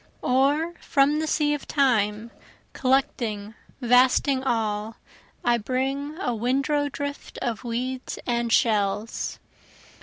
Or from the sea of Time, collecting vasting all, I bring, A windrow drift of weeds and shells.